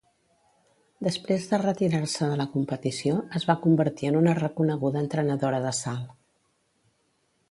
Després de retirar-se de la competició es va convertir en una reconeguda entrenadora de salt.